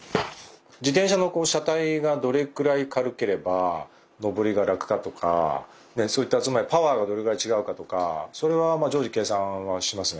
自転車の車体がどれくらい軽ければ登りが楽かとかそういったつまりパワーがどれぐらい違うかとかそれは常時計算はしますね。